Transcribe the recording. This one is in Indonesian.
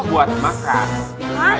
ini buat makan